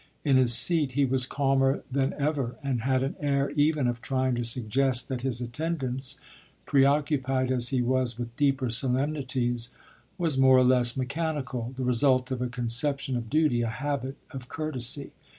In his seat he was calmer than ever and had an air even of trying to suggest that his attendance, preoccupied as he was with deeper solemnities, was more or less mechanical, the result of a conception of duty, a habit of courtesy.